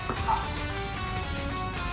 ああ。